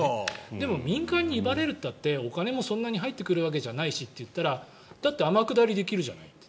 でも、民間にいばれるったってお金もそんなに入ってくるわけじゃないしって言ったらだって天下りできるじゃないって。